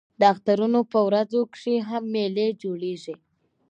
د اخترونو په ورځو کښي هم مېلې جوړېږي.